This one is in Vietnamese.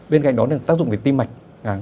bên cạnh đó là tác dụng về tim mạch